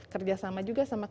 kerjasama juga dengan kemenkes